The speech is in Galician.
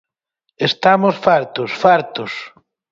Estamos fartos, fartos!